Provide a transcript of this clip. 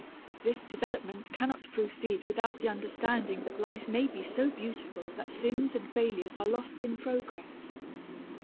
This development cannot proceed without the understanding that life may be made so beautiful that sins and failures are lost in progress.